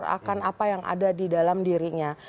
akan apa yang ada di dalam dirinya